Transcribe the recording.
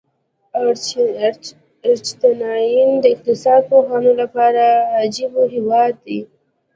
ارجنټاین د اقتصاد پوهانو لپاره د عجایبو هېواد دی.